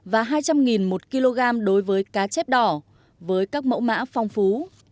và hai trăm linh một kg đối với cá chép đỏ với các mẫu mã phong phú